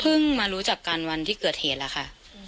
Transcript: เพิ่งมารู้จักกันวันที่เกิดเหตุล่ะค่ะ